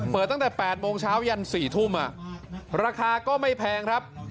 ตั้งแต่๘โมงเช้ายัน๔ทุ่มราคาก็ไม่แพงครับ